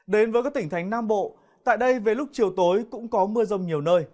đến với các tỉnh thánh nam bộ tại đây về lúc chiều tối cũng có mưa rông nhiều nơi